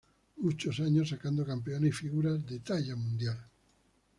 Muchos años sacando campeones y figuras de talla mundial.